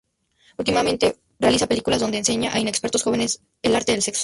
Últimamente realiza películas donde enseña a inexpertos jóvenes el arte del sexo.